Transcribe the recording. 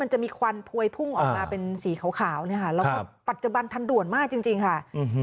มันจะมีควันพวยพุ่งออกมาเป็นสีขาวเนี่ยค่ะแล้วก็ปัจจุบันทันด่วนมากจริงค่ะ